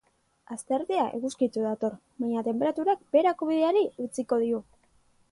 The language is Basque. Asteartea eguzkitsu dator baina tenperaturak beherako bideari eutsiko dio.